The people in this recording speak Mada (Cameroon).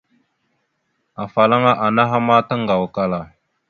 Afalaŋana anaha ma taŋgawakala.